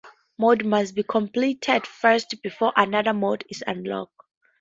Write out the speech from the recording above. The adventure mode must be completed first before another mode is unlocked.